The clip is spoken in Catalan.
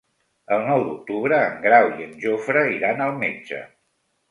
El nou d'octubre en Grau i en Jofre iran al metge.